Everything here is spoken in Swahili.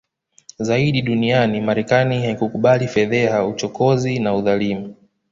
zaidi duniani Marekani haikukubali fedheha uchokozi na udhalimu